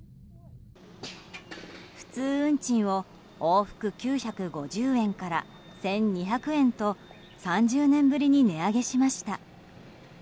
普通運賃を往復９５０円から１２００円と３０年ぶりに値上げしました。